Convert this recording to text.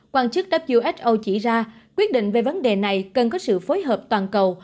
quan chức who chỉ ra quyết định về vấn đề này cần có sự phối hợp toàn cầu